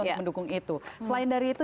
untuk mendukung itu selain dari itu